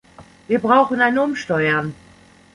Wir brauchen ein Umsteuern.